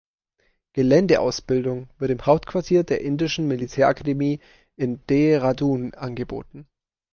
Geländeausbildung wird im Hauptquartier der Indischen Militärakademie in Dehradun angeboten.